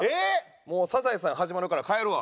もう『サザエさん』始まるから帰るわ。